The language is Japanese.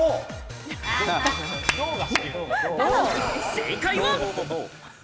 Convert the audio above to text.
正解は。